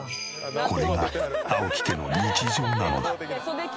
これが青木家の日常なのだ。